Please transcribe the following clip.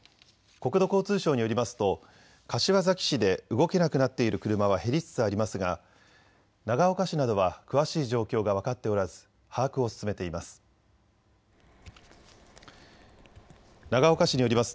国土交通省によりますと柏崎市で動けなくなっている車は減りつつありますが長岡市などは詳しい状況が分かっておらず把握を進めています。